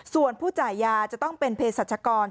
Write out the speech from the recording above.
ส่วนผู้จ่ายยาจะต้องเป็นเพศรัชกร